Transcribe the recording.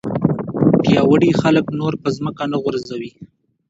پیاوړي خلک نور په ځمکه نه غورځوي.